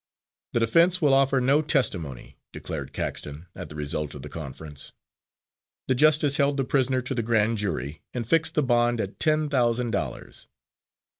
"The defense will offer no testimony," declared Caxton, at the result of the conference. The justice held the prisoner to the grand jury, and fixed the bond at ten thousand dollars.